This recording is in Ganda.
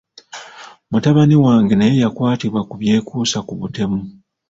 Mutabani wange naye yakwatibwa ku byekuusa ku butemu.